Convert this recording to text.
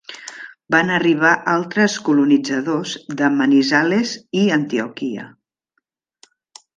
Van arribar altres colonitzadors de Manizales i Antioquia.